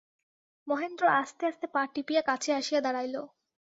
মহেন্দ্র আস্তে আস্তে পা টিপিয়া কাছে আসিয়া দাঁড়াইল।